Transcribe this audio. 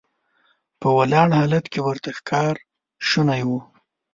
په ولاړ حالت کې ورته ښکار شونی و.